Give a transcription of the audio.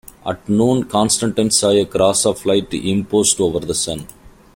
At noon, Constantine saw a cross of light imposed over the sun.